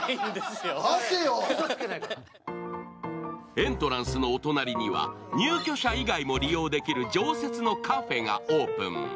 エントランスのお隣には入居者以外も利用できる常設のカフェがオープン。